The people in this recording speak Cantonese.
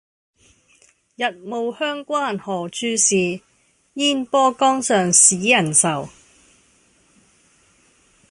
日暮鄉關何處是，煙波江上使人愁。